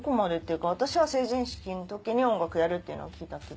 私は成人式の時に音楽やるっていうのを聞いたっきり。